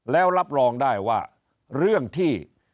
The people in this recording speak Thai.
แล้วรับรองได้ว่าเรื่องที่